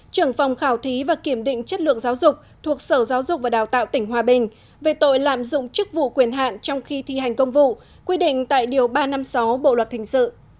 trưởng phòng khảo thí và kiểm định chất lượng giáo dục thuộc sở giáo dục và đào tạo tỉnh hòa bình về tội lạm dụng chức vụ quyền hạn trong khi thi hành công vụ quy định tại điều ba trăm năm mươi sáu bộ luật hình sự